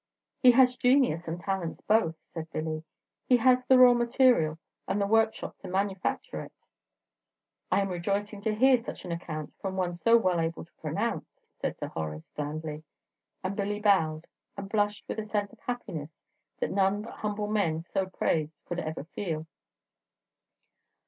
"He has genius and talents both," said Billy; "he has the raw material, and the workshop to manufacture it." "I am rejoiced to hear such an account from one so well able to pronounce," said Sir Horace, blandly; and Billy bowed, and blushed with a sense of happiness that none but humble men, so praised, could ever feel.